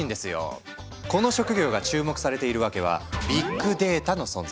この職業が注目されているわけはビッグデータの存在。